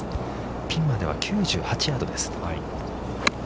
◆ピンまでは９８ヤードです。